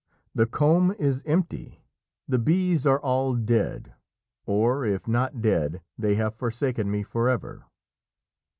The comb is empty. The bees are all dead or, if not dead, they have forsaken me forever."